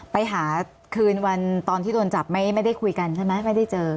ไปหาคืนวันตอนที่โดนจับไม่ได้คุยกันใช่ไหมไม่ได้เจอ